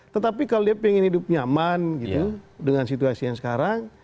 tetapi kalau dia ingin hidup nyaman gitu dengan situasi yang sekarang